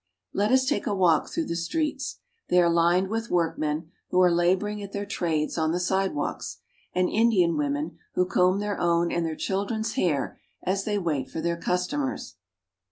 Let us take a walk through the streets. They are lined with workmen, who are laboring at their trades on the sidewalks, and Indian women, who comb their own and their children's hair as they wait for their customers.